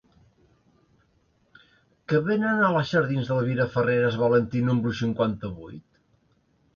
Què venen a la jardins d'Elvira Farreras Valentí número cinquanta-vuit?